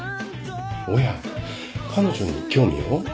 おや彼女に興味を？